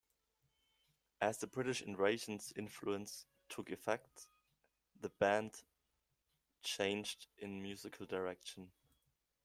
As the British Invasion's influence took effect, the band changed in musical direction.